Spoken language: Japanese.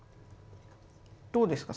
どうですか？